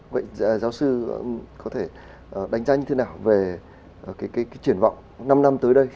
vậy giáo sư có thể đánh giá như thế nào về cái triển vọng năm năm tới đây